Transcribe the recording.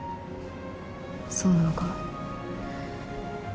そうなのかも。